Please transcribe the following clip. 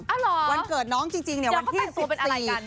อ๋อเหรอยังคงตั้งตัวเป็นอะไรกันวันเกิดน้องจริงวันที่๑๔